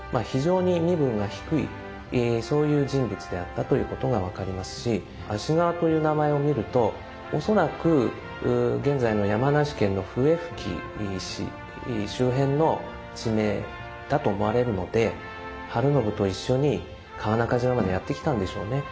非常に身分が低いそういう人物であったということが分かりますし蘆川という名前を見ると恐らく現在の山梨県の笛吹市周辺の地名だと思われるので晴信と一緒に川中島までやって来たんでしょうね。